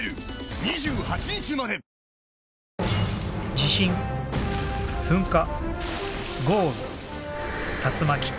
地震噴火豪雨竜巻。